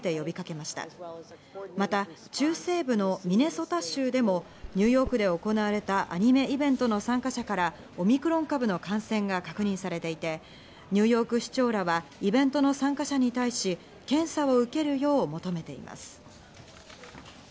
また中西部のミネソタ州でもニューヨークで行われたアニメイベントの参加者からオミクロン株の感染が確認されていて、ニューヨーク市長らはイベントの参加者に対し検査を受けるよう求めています。